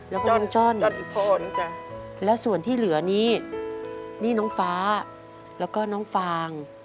แล้วก็น้องจ้อนอีกคนและส่วนที่เหลือนี้นี่น้องฟ้าแล้วก็น้องฟาง